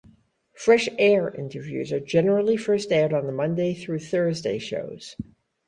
"Fresh Air" interviews are generally first aired on the Monday through Thursday shows.